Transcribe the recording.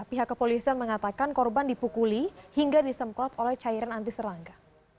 pihak kepolisian mengatakan korban dipukuli hingga disemprot oleh cairan antiserangga